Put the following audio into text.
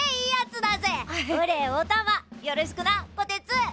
よろしくなこてつ！